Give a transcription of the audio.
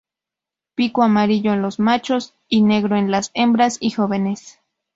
Pico amarillo en los machos, y negro en las hembras y jóvenes.